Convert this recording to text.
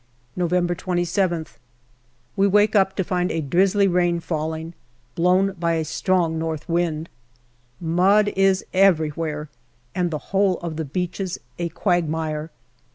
November 27th. We wake up to find a drizzly rain falling, blown by a strong north wind. Mud is everywhere, and the whole of the beaches a quagmire.